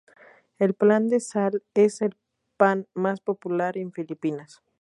El pan de sal es el pan más popular en Filipinas.